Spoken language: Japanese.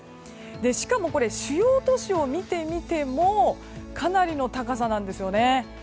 しかも主要都市を見てみてもかなりの高さなんですよね。